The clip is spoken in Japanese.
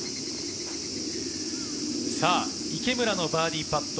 池村のバーディーパット。